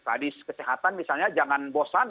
kadis kesehatan misalnya jangan bosan